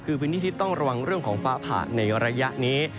คือพื้นที่ที่ต้องระวังเรื่องของฟ้าผ่าในระยะนี้